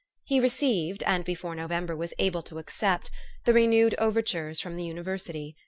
He received, and before November was able to accept, the renewed overtures from the university.